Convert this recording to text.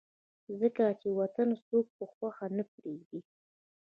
ځکه چې وطن څوک پۀ خوښه نه پريږدي